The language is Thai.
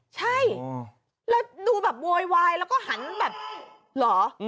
ใช่แล้วดูแบบโวยวายแล้วก็หันแบบเหรอ